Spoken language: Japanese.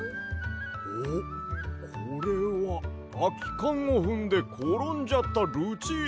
おっこれはあきかんをふんでころんじゃったルチータか！